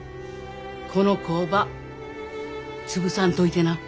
この工場潰さんといてな。